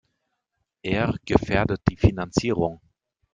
Er gefährdet die Finanzierung.